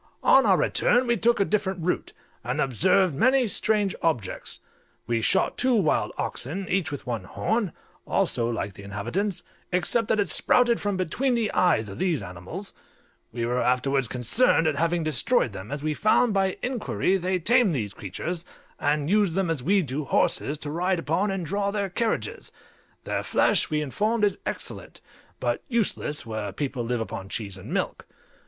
On our return we took a different route, and observed many strange objects. We shot two wild oxen, each with one horn, also like the inhabitants, except that it sprouted from between the eyes of these animals; we were afterwards concerned at having destroyed them, as we found, by inquiry, they tamed these creatures, and used them as we do horses, to ride upon and draw their carriages; their flesh, we were informed, is excellent, but useless where people live upon cheese and milk.